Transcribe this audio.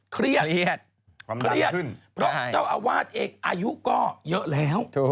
เครียดเครียดเพราะเจ้าอาวาสเองอายุก็เยอะแล้ว